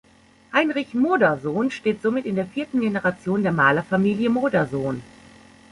Heinrich Modersohn steht somit in der vierten Generation der Malerfamilie Modersohn.